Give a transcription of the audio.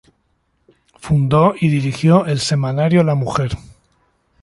Fundó y dirigió el semanario "La Mujer.